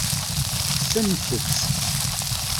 Kksemt-t.